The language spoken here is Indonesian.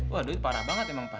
waduh parah banget emang pak